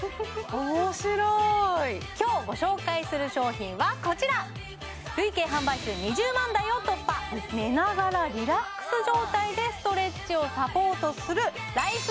面白い今日ご紹介する商品はこちら寝ながらリラックス状態でストレッチをサポートするライフ